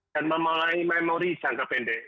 dan memulai memori jangka pendek